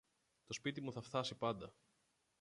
Το σπίτι μου θα φθάσει πάντα.